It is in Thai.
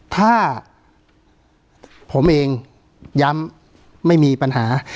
ถ้าผมเองย้ำไม่มีปัญหา